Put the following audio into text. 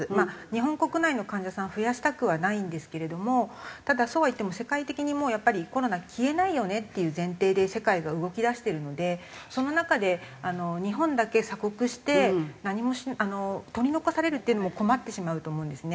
日本国内の患者さん増やしたくはないんですけれどもただそうは言っても世界的にもうやっぱりコロナ消えないよねっていう前提で世界が動き出してるのでその中で日本だけ鎖国して何も取り残されるっていうのも困ってしまうと思うんですね。